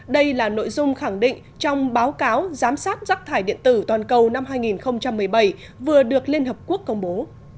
đây là nội dung khẳng định trong báo cáo giám sát rác thải điện tử toàn cầu năm hai nghìn một mươi bảy vừa được liên hợp quốc công bố